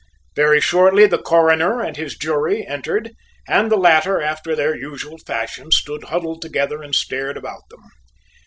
Very shortly the Coroner and his jury entered, and the latter, after their usual fashion, stood huddled together and stared about them.